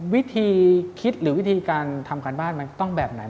วิธีคิดหรือวิธีการทำการบ้านมันต้องแบบไหน